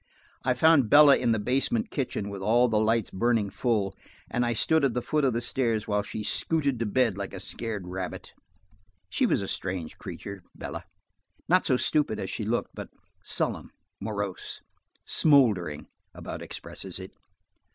I found Bella in the basement kitchen with all the lights burning full, and I stood at the foot of the stairs while she scooted to bed like a scared rabbit. She was a strange creature, Bella–not so stupid as she looked, but sullen, morose–"smouldering" about expresses it.